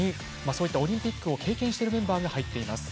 そういったオリンピックを経験してるメンバーが入っています。